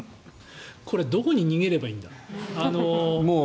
これどこに逃げればいいんだ？